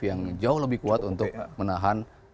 yang jauh lebih kuat untuk menahan